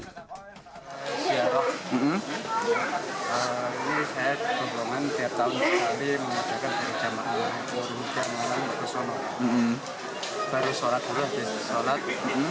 saya selalu sholat dulu selalu sholat